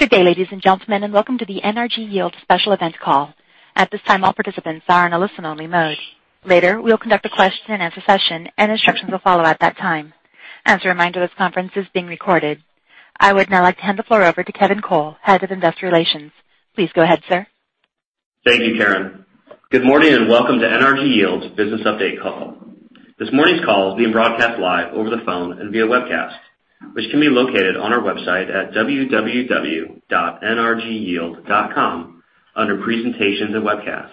Good day, ladies and gentlemen. Welcome to the NRG Yield Special Event Call. At this time, all participants are in a listen-only mode. Later, we'll conduct a question and answer session, and instructions will follow at that time. As a reminder, this conference is being recorded. I would now like to hand the floor over to Kevin Cole, Head of Investor Relations. Please go ahead, sir. Thank you, Karen. Good morning. Welcome to NRG Yield's Business Update Call. This morning's call is being broadcast live over the phone and via webcast, which can be located on our website at www.nrgyield.com under Presentations and Webcasts.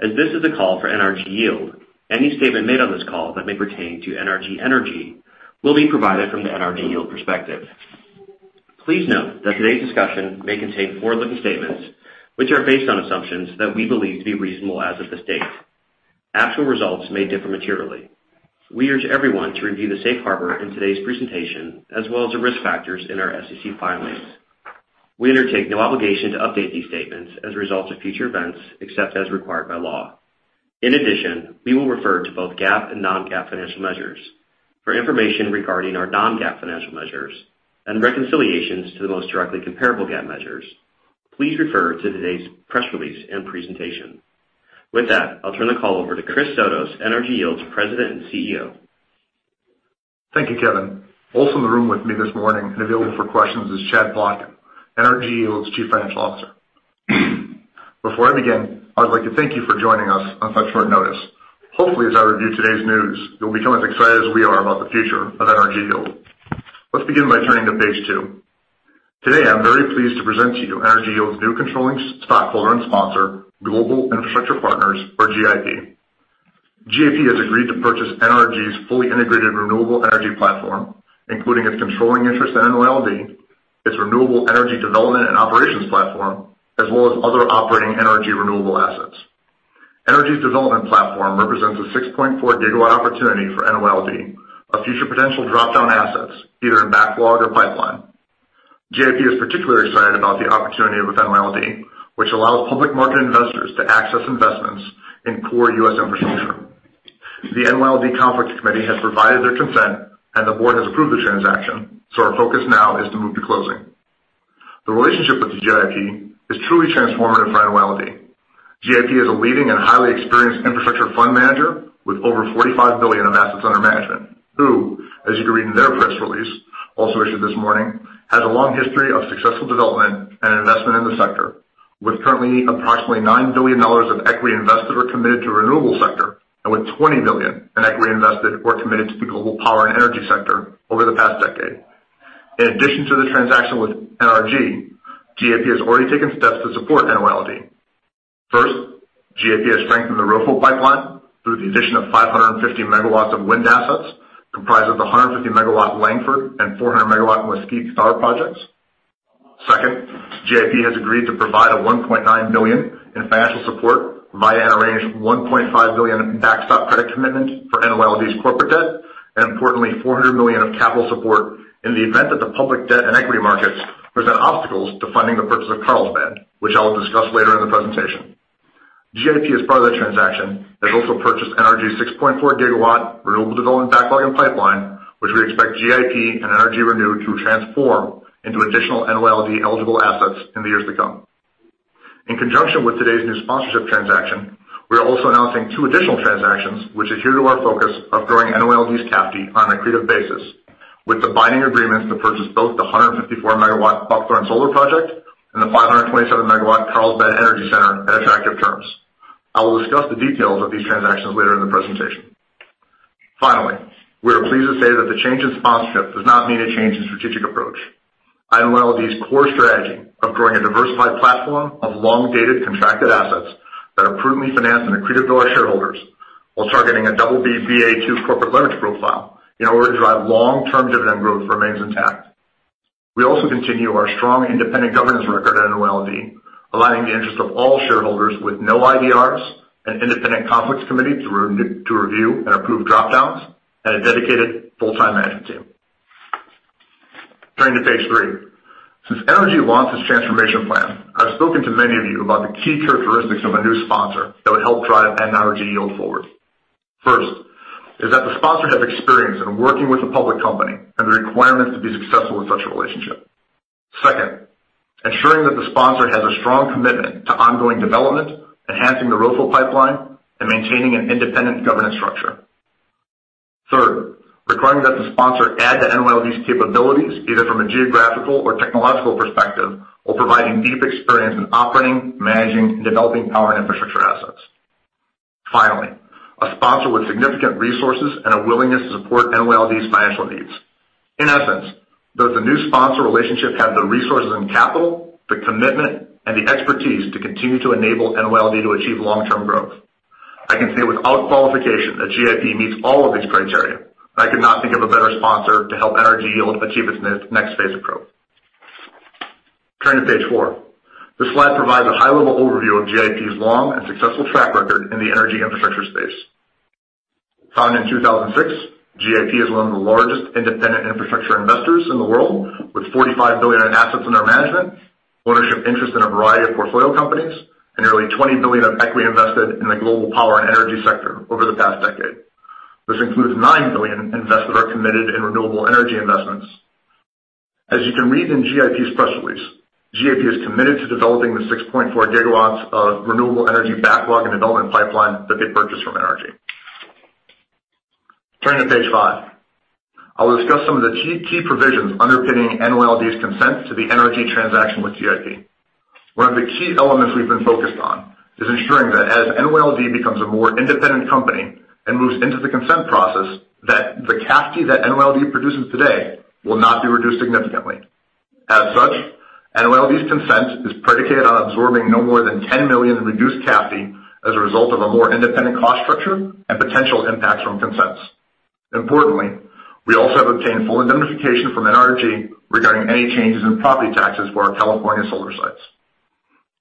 As this is the call for NRG Yield, any statement made on this call that may pertain to NRG Energy will be provided from the NRG Yield perspective. Please note that today's discussion may contain forward-looking statements which are based on assumptions that we believe to be reasonable as of this date. Actual results may differ materially. We urge everyone to review the safe harbor in today's presentation, as well as the risk factors in our SEC filings. We undertake no obligation to update these statements as a result of future events, except as required by law. We will refer to both GAAP and non-GAAP financial measures. For information regarding our non-GAAP financial measures and reconciliations to the most directly comparable GAAP measures, please refer to today's press release and presentation. I'll turn the call over to Chris Sotos, NRG Yield's President and CEO. Thank you, Kevin. In the room with me this morning and available for questions is Chad Plotkin, NRG Yield's Chief Financial Officer. Before I begin, I would like to thank you for joining us on such short notice. Hopefully, as I review today's news, you'll become as excited as we are about the future of NRG Yield. Let's begin by turning to page two. Today, I'm very pleased to present to you NRG Yield's new controlling stockholder and sponsor, Global Infrastructure Partners, or GIP. GIP has agreed to purchase NRG's fully integrated renewable energy platform, including its controlling interest in NYLD, its renewable energy development and operations platform, as well as other operating NRG renewable assets. NRG's development platform represents a 6.4 gigawatt opportunity for NYLD of future potential drop-down assets, either in backlog or pipeline. GIP is particularly excited about the opportunity with NYLD, which allows public market investors to access investments in core U.S. infrastructure. The NYLD conflicts committee has provided their consent, and the board has approved the transaction, so our focus now is to move to closing. The relationship with GIP is truly transformative for NYLD. GIP is a leading and highly experienced infrastructure fund manager with over $45 billion of assets under management, who, as you can read in their press release, also issued this morning, has a long history of successful development and investment in the sector, with currently approximately $9 billion of equity invested or committed to renewable sector, and with $20 billion in equity invested or committed to the global power and energy sector over the past decade. In addition to the transaction with NRG, GIP has already taken steps to support NYLD. First, GIP has strengthened the ROFO pipeline through the addition of 550 MW of wind assets comprised of the 150 MW Langford and 400 MW Mesquite Solar projects. Second, GIP has agreed to provide $1.9 million in financial support via an arranged $1.5 billion in backstop credit commitment for NYLD's corporate debt, and importantly, $400 million of capital support in the event that the public debt and equity markets present obstacles to funding the purchase of Carlsbad, which I'll discuss later in the presentation. GIP, as part of the transaction, has also purchased NRG's 6.4 GW renewable development backlog and pipeline, which we expect GIP and NRG Renew to transform into additional NYLD-eligible assets in the years to come. In conjunction with today's new sponsorship transaction, we are also announcing two additional transactions which are true to our focus of growing NYLD's CAFD on an accretive basis with the binding agreements to purchase both the 154 MW Buckthorn Solar Project and the 527 MW Carlsbad Energy Center at attractive terms. I will discuss the details of these transactions later in the presentation. Finally, we are pleased to say that the change in sponsorship does not mean a change in strategic approach. NYLD's core strategy of growing a diversified platform of long-dated contracted assets that are prudently financed and accretive to our shareholders while targeting a BB/Ba2 corporate leverage profile in order to drive long-term dividend growth remains intact. We also continue our strong independent governance record at NYLD, aligning the interest of all shareholders with no IDRs, an independent conflicts committee to review and approve drop-downs, and a dedicated full-time management team. Turning to page three. Since NRG launched its transformation plan, I've spoken to many of you about the key characteristics of a new sponsor that would help drive NRG Yield forward. First is that the sponsor have experience in working with a public company and the requirements to be successful in such a relationship. Second, ensuring that the sponsor has a strong commitment to ongoing development, enhancing the ROFO pipeline, and maintaining an independent governance structure. Third, requiring that the sponsor add to NYLD's capabilities, either from a geographical or technological perspective or providing deep experience in operating, managing, and developing power infrastructure assets. Finally, a sponsor with significant resources and a willingness to support NYLD's financial needs. In essence, does the new sponsor relationship have the resources and capital, the commitment, and the expertise to continue to enable NYLD to achieve long-term growth? I can say without qualification that GIP meets all of these criteria, and I could not think of a better sponsor to help NRG Yield achieve its next phase of growth. Turning to page four. This slide provides a high-level overview of GIP's long and successful track record in the energy infrastructure space. Founded in 2006, GIP is one of the largest independent infrastructure investors in the world, with $45 billion in assets under management, ownership interest in a variety of portfolio companies, and nearly $20 billion of equity invested in the global power and energy sector over the past decade. This includes $9 billion invested or committed in renewable energy investments. As you can read in GIP's press release, GIP is committed to developing the 6.4 gigawatts of renewable energy backlog and development pipeline that they purchased from NRG. Turning to page five. I'll discuss some of the key provisions underpinning NYLD's consent to the NRG transaction with GIP. One of the key elements we've been focused on is ensuring that as NYLD becomes a more independent company and moves into the consent process, that the CAFD that NYLD produces today will not be reduced significantly. As such, NYLD's consent is predicated on absorbing no more than $10 million in reduced CAFD as a result of a more independent cost structure and potential impacts from consents. Importantly, we also have obtained full indemnification from NRG regarding any changes in property taxes for our California solar sites.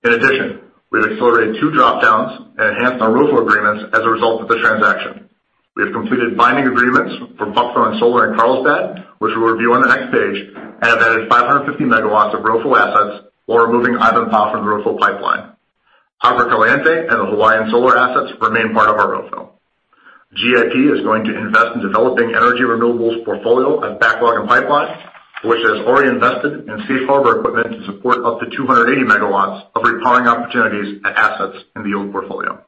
In addition, we have accelerated two drop-downs and enhanced our ROFO agreements as a result of the transaction. We have completed binding agreements for Buckthorn Solar and Carlsbad, which we'll review on the next page, and have added 550 megawatts of ROFO assets while removing Ivanpah from the ROFO pipeline. Agua Caliente and the Hawaiian solar assets remain part of our ROFO. GIP is going to invest in developing NRG Renew's portfolio of backlog and pipeline, which it has already invested in safe harbor equipment to support up to 280 megawatts of repowering opportunities and assets in the yield portfolio.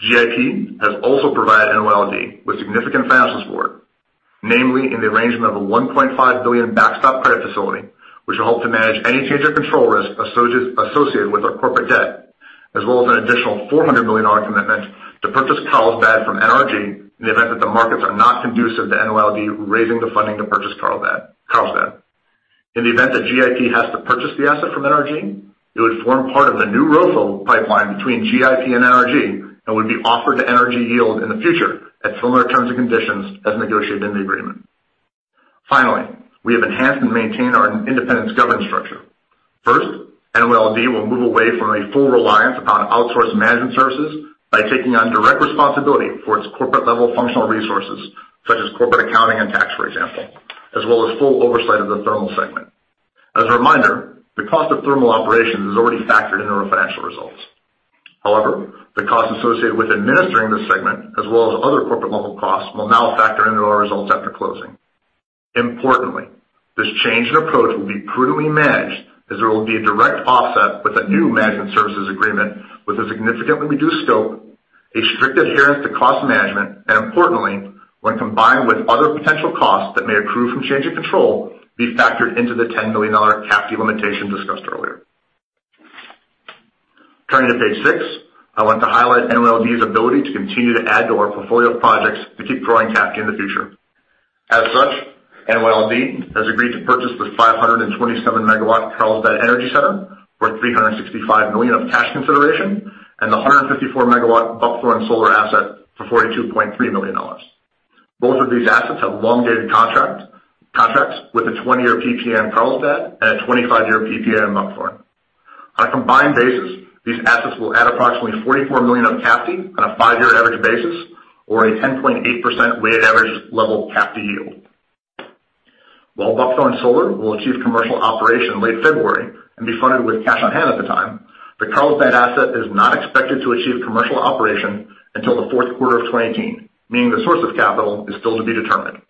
GIP has also provided NYLD with significant financial support, namely in the arrangement of a $1.5 billion backstop credit facility, which will help to manage any change in control risk associated with our corporate debt, as well as an additional $400 million commitment to purchase Carlsbad from NRG in the event that the markets are not conducive to NYLD raising the funding to purchase Carlsbad. In the event that GIP has to purchase the asset from NRG, it would form part of the new ROFO pipeline between GIP and NRG and would be offered to NRG Yield in the future at similar terms and conditions as negotiated in the agreement. Finally, we have enhanced and maintained our independence governance structure. First, NYLD will move away from a full reliance upon outsourced management services by taking on direct responsibility for its corporate-level functional resources, such as corporate accounting and tax, for example, as well as full oversight of the thermal segment. As a reminder, the cost of thermal operations is already factored into our financial results. However, the cost associated with administering this segment, as well as other corporate-level costs, will now factor into our results after closing. Importantly, this change in approach will be prudently managed as there will be a direct offset with a new management services agreement with a significantly reduced scope, a strict adherence to cost management, and importantly, when combined with other potential costs that may accrue from change in control, be factored into the $10 million CAFD limitation discussed earlier. Turning to page six, I want to highlight NYLD's ability to continue to add to our portfolio of projects to keep growing CAFD in the future. As such, NYLD has agreed to purchase the 527-megawatt Carlsbad Energy Center for $365 million of cash consideration and the 154-megawatt Buckthorn Solar asset for $42.3 million. Both of these assets have long-dated contracts, with a 20-year PPA in Carlsbad and a 25-year PPA in Buckthorn. On a combined basis, these assets will add approximately $44 million of CAFD on a five-year average basis or a 10.8% weighted average level CAFD yield. While Buckthorn Solar will achieve commercial operation in late February and be funded with cash on hand at the time, the Carlsbad asset is not expected to achieve commercial operation until the fourth quarter of 2018, meaning the source of capital is still to be determined.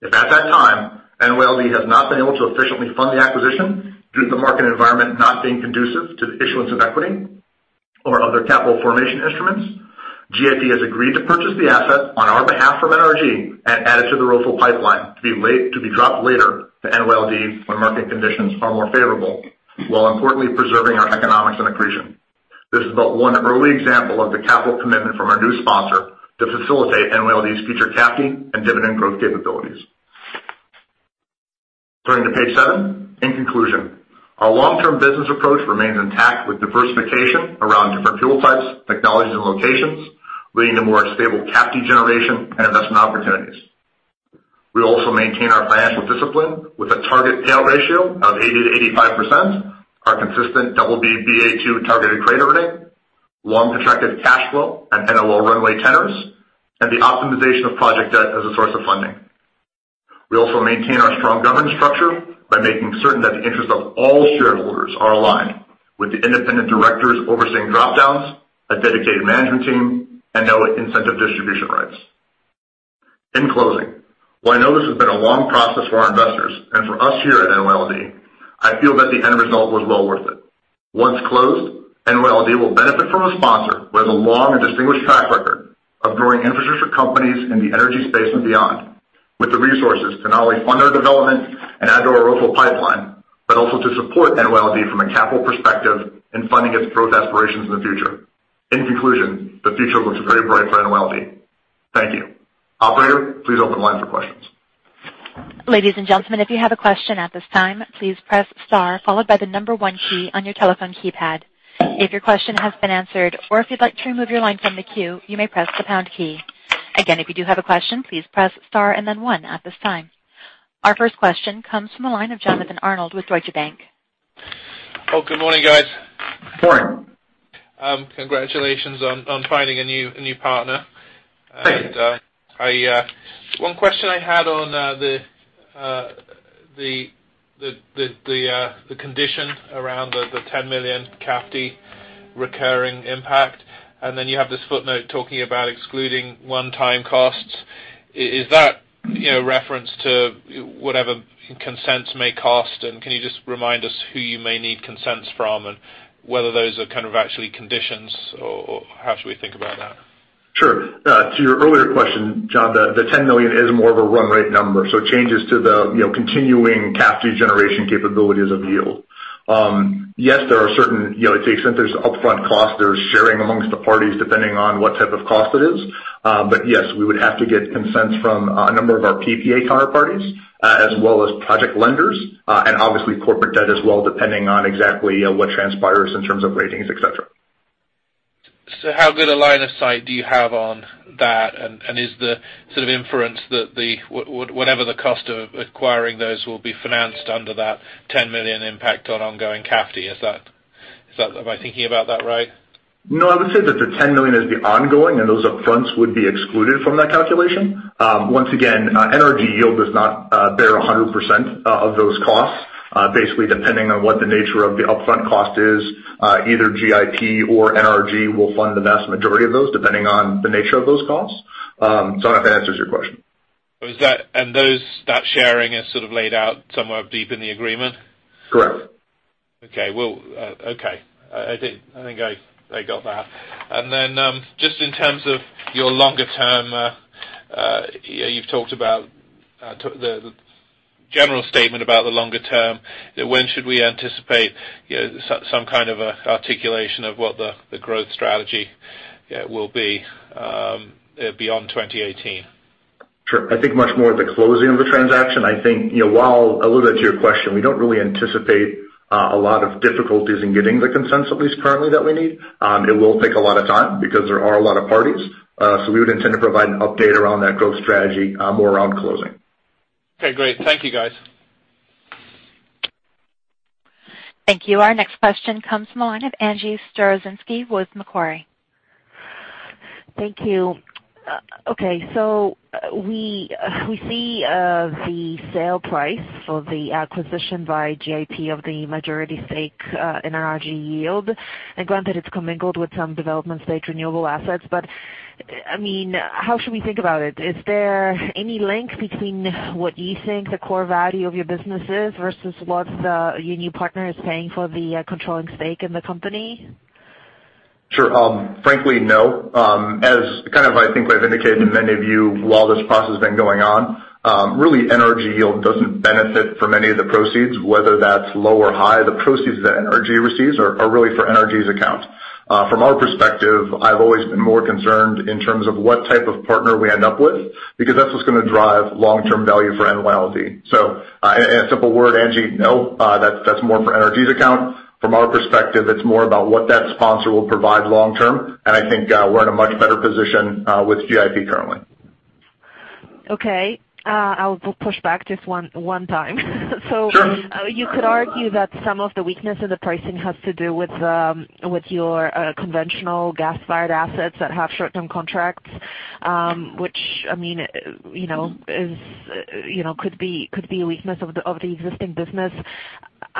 If at that time NYLD has not been able to efficiently fund the acquisition due to the market environment not being conducive to the issuance of equity or other capital formation instruments, GIP has agreed to purchase the asset on our behalf from NRG and add it to the ROFO pipeline to be dropped later to NYLD when market conditions are more favorable, while importantly preserving our economics and accretion. This is but one early example of the capital commitment from our new sponsor to facilitate NYLD's future CAFD and dividend growth capabilities. Turning to page seven. In conclusion, our long-term business approach remains intact with diversification around different fuel types, technologies, and locations, leading to more stable CAFD generation and investment opportunities. We also maintain our financial discipline with a target payout ratio of 80%-85%, our consistent double BB/Ba2 targeted credit rating, long contracted cash flow and NOL runway tenors, and the optimization of project debt as a source of funding. We also maintain our strong governance structure by making certain that the interests of all shareholders are aligned with the independent directors overseeing drop-downs, a dedicated management team, and no Incentive Distribution Rights. In closing, while I know this has been a long process for our investors and for us here at NYLD, I feel that the end result was well worth it. Once closed, NYLB will benefit from a sponsor who has a long and distinguished track record of growing infrastructure companies in the energy space and beyond, with the resources to not only fund our development and add to our ROFO pipeline, but also to support NYLB from a capital perspective in funding its growth aspirations in the future. In conclusion, the future looks very bright for NYLB. Thank you. Operator, please open the line for questions. Ladies and gentlemen, if you have a question at this time, please press star followed by the number 1 key on your telephone keypad. If your question has been answered or if you'd like to remove your line from the queue, you may press the pound key. Again, if you do have a question, please press star and then one at this time. Our first question comes from the line of Jonathan Arnold with Deutsche Bank. Oh, good morning, guys. Morning. Congratulations on finding a new partner. Thank you. One question I had on the condition around the $10 million CAFD recurring impact. Then you have this footnote talking about excluding one-time costs. Is that reference to whatever consents may cost, and can you just remind us who you may need consents from and whether those are actually conditions, or how should we think about that? Sure. To your earlier question, John, the $10 million is more of a run rate number, Changes to the continuing CAFD generation capabilities of Yield. Yes, there are certain To the extent there's upfront costs, there's sharing amongst the parties depending on what type of cost it is. Yes, we would have to get consents from a number of our PPA counterparties, as well as project lenders, and obviously corporate debt as well, depending on exactly what transpires in terms of ratings, et cetera. How good a line of sight do you have on that? Is the sort of inference that whatever the cost of acquiring those will be financed under that $10 million impact on ongoing CAFD? Am I thinking about that right? No, I would say that the $10 million is the ongoing, and those upfronts would be excluded from that calculation. Once again, NRG Yield does not bear 100% of those costs. Basically, depending on what the nature of the upfront cost is, either GIP or NRG will fund the vast majority of those, depending on the nature of those costs. I don't know if that answers your question. That sharing is sort of laid out somewhere deep in the agreement? Correct. Okay. I think I got that. Just in terms of your longer term, you've talked about the general statement about the longer term, when should we anticipate some kind of articulation of what the growth strategy will be beyond 2018? Sure. I think much more at the closing of the transaction. I think, while, a little to your question, we don't really anticipate a lot of difficulties in getting the consents, at least currently, that we need. It will take a lot of time, because there are a lot of parties. We would intend to provide an update around that growth strategy more around closing. Okay, great. Thank you, guys. Thank you. Our next question comes from the line of Angie Storozynski with Macquarie. Thank you. Okay. We see the sale price for the acquisition by GIP of the majority stake in NRG Yield, and granted, it's commingled with some development-stage renewable assets. How should we think about it? Is there any link between what you think the core value of your business is versus what your new partner is paying for the controlling stake in the company? Sure. Frankly, no. As I think we've indicated to many of you while this process has been going on, really, NRG Yield doesn't benefit from any of the proceeds, whether that's low or high. The proceeds that NRG receives are really for NRG's account. From our perspective, I've always been more concerned in terms of what type of partner we end up with, because that's what's going to drive long-term value for NYLD. In a simple word, Angie, no. That's more for NRG's account. From our perspective, it's more about what that sponsor will provide long term, and I think we're in a much better position with GIP currently. Okay. I'll push back just one time. Sure. You could argue that some of the weakness of the pricing has to do with your conventional gas-fired assets that have short-term contracts, which could be a weakness of the existing business.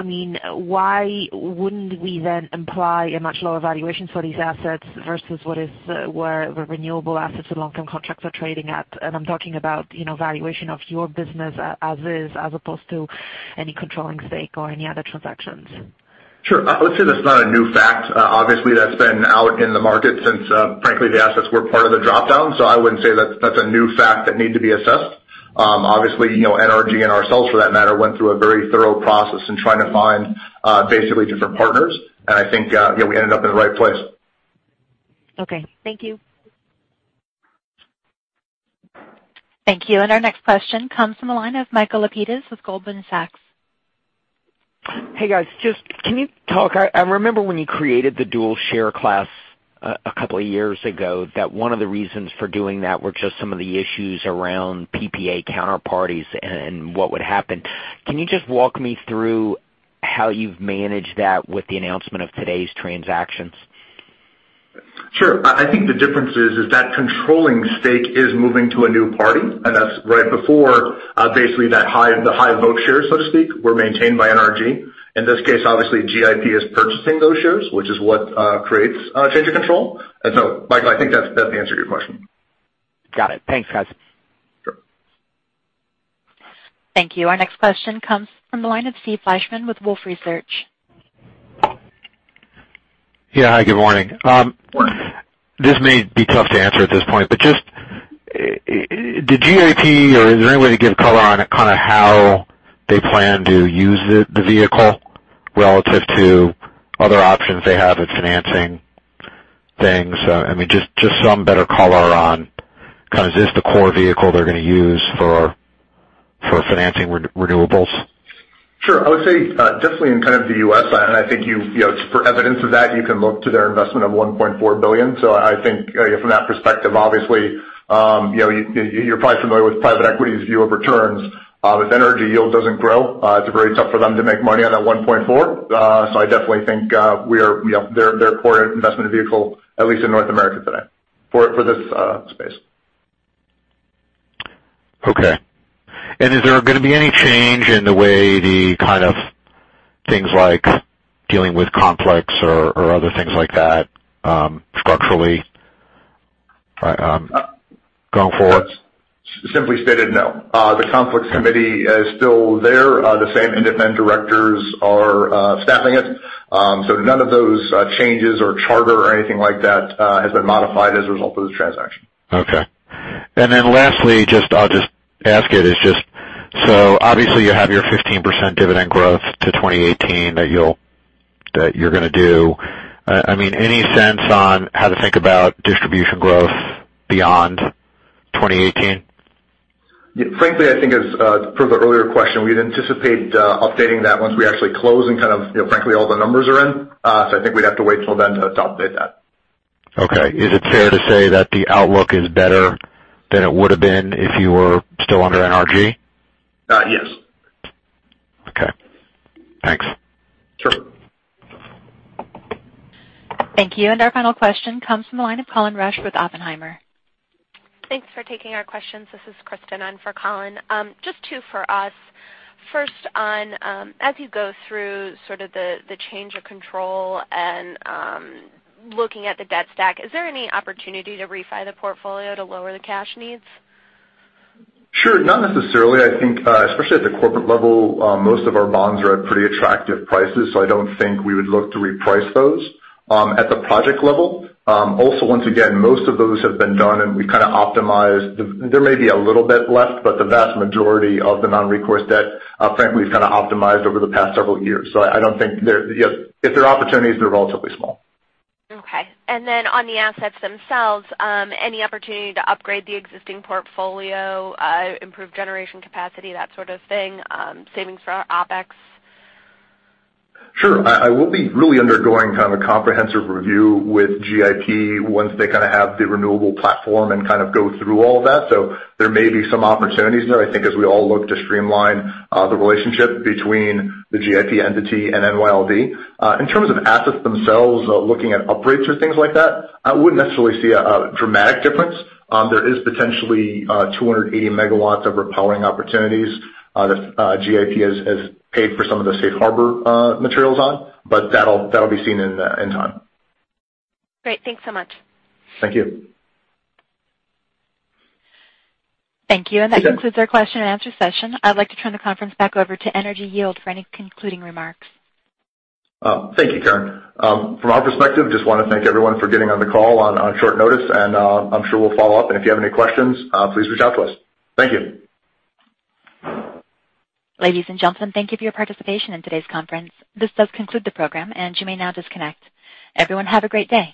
Why wouldn't we then imply a much lower valuation for these assets versus where the renewable assets and long-term contracts are trading at? I'm talking about valuation of your business as is, as opposed to any controlling stake or any other transactions. Sure. I would say that's not a new fact. Obviously, that's been out in the market since, frankly, the assets were part of the drop-down. I wouldn't say that's a new fact that need to be assessed. Obviously, NRG, and ourselves for that matter, went through a very thorough process in trying to find basically different partners, and I think we ended up in the right place. Okay. Thank you. Thank you. Our next question comes from the line of Michael Lapides with Goldman Sachs. Hey, guys. I remember when you created the dual share class a couple of years ago, that one of the reasons for doing that were just some of the issues around PPA counterparties and what would happen. Can you just walk me through how you've managed that with the announcement of today's transactions? Sure. I think the difference is that controlling stake is moving to a new party, and that's right before, basically, the high vote shares, so to speak, were maintained by NRG. In this case, obviously, GIP is purchasing those shares, which is what creates a change of control. Michael, I think that's the answer to your question. Got it. Thanks, guys. Sure. Thank you. Our next question comes from the line of Steve Fleishman with Wolfe Research. Yeah. Hi, good morning. Morning. This may be tough to answer at this point, but just did GIP or is there any way to give color on kind of how they plan to use the vehicle relative to other options they have at financing things? Just some better color on, is this the core vehicle they're going to use for financing renewables? Sure. I would say definitely in kind of the U.S., and I think for evidence of that, you can look to their investment of $1.4 billion. I think from that perspective, obviously, you're probably familiar with private equity's view of returns. If NRG Yield doesn't grow, it's very tough for them to make money on that $1.4. I definitely think they're a core investment vehicle, at least in North America today for this space. Okay. Is there going to be any change in the way the kind of things like dealing with conflicts or other things like that structurally going forward? Simply stated, no. The conflicts committee is still there. The same independent directors are staffing it. None of those changes or charter or anything like that has been modified as a result of the transaction. Okay. Lastly, I'll just ask it, obviously you have your 15% dividend growth to 2018 that you're going to do. Any sense on how to think about distribution growth beyond 2018? Frankly, I think as per the earlier question, we'd anticipate updating that once we actually close and kind of, frankly, all the numbers are in. I think we'd have to wait till then to update that. Okay. Is it fair to say that the outlook is better than it would have been if you were still under NRG? Yes. Okay. Thanks. Sure. Thank you. Our final question comes from the line of Colin Rusch with Oppenheimer. Thanks for taking our questions. This is Kristen on for Colin. Just two for us. First on, as you go through sort of the change of control and looking at the debt stack, is there any opportunity to refi the portfolio to lower the cash needs? Sure. Not necessarily. I think, especially at the corporate level, most of our bonds are at pretty attractive prices. I don't think we would look to reprice those. At the project level, also, once again, most of those have been done and we've kind of optimized. There may be a little bit left, the vast majority of the non-recourse debt, frankly, we've kind of optimized over the past several years. If there are opportunities, they're relatively small. Okay. On the assets themselves, any opportunity to upgrade the existing portfolio, improve generation capacity, that sort of thing, savings for our OpEx? Sure. I will be really undergoing kind of a comprehensive review with GIP once they kind of have the renewable platform and kind of go through all of that. There may be some opportunities there, I think, as we all look to streamline the relationship between the GIP entity and NYLD. In terms of assets themselves, looking at upgrades or things like that, I wouldn't necessarily see a dramatic difference. There is potentially 280 megawatts of repowering opportunities that GIP has paid for some of the safe harbor materials on. That'll be seen in time. Great. Thanks so much. Thank you. Thank you. You said- That concludes our question and answer session. I'd like to turn the conference back over to NRG Yield for any concluding remarks. Thank you, Karen. From our perspective, just want to thank everyone for getting on the call on short notice, and I'm sure we'll follow up. If you have any questions, please reach out to us. Thank you. Ladies and gentlemen, thank you for your participation in today's conference. This does conclude the program, and you may now disconnect. Everyone, have a great day.